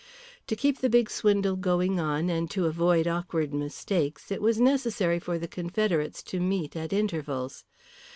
To keep the big swindle going on and to avoid awkward mistakes it was necessary for the confederates to meet at intervals.